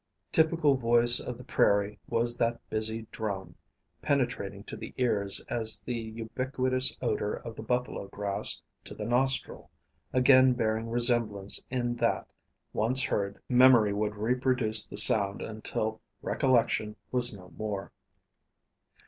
Typical voice of the prairie was that busy drone, penetrating to the ears as the ubiquitous odor of the buffalo grass to the nostril, again bearing resemblance in that, once heard, memory would reproduce the sound until recollection was no more.